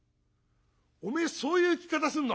「おめえそういう聞き方すんの？